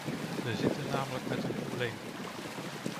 We zitten namelijk met een probleem.